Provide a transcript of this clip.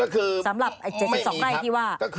ก็คือไม่มีครับสำหรับ๗๒ไร่ที่ว่า